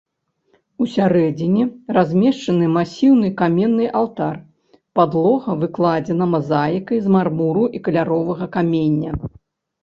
Усярэдзіне размешчаны масіўны каменны алтар, падлога выкладзена мазаікай з мармуру і каляровага каменя.